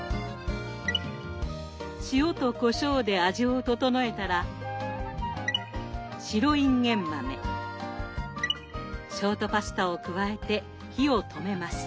塩とこしょうで味を調えたら白いんげん豆ショートパスタを加えて火を止めます。